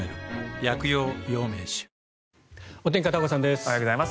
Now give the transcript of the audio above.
おはようございます。